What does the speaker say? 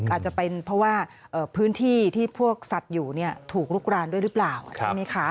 อาจจะเป็นเพราะว่าพื้นที่ที่พวกสัตว์อยู่ถูกลุกรานด้วยหรือเปล่าใช่ไหมคะ